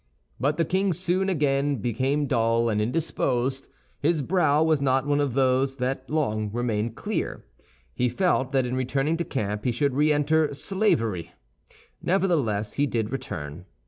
But the king soon again became dull and indisposed; his brow was not one of those that long remain clear. He felt that in returning to camp he should re enter slavery; nevertheless, he did return.